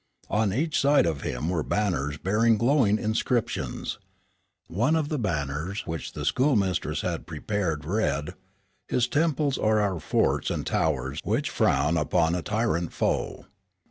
On each side of him were banners bearing glowing inscriptions. One of the banners which the schoolmistress had prepared read: "His temples are our forts and towers which frown upon a tyrant foe."